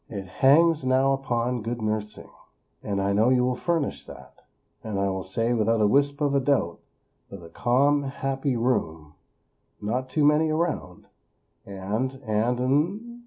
"it hangs now upon good nursing; and I know you will furnish that. And I will say without a wisp of a doubt, that a calm, happy room; not too many around; and and hmmm!!